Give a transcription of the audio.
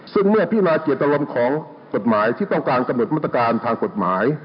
ซึ่งเมื่อพินาเจตรรมของกฎหมายที่ต้องการกำหนดมาตรการทางกฎหมาย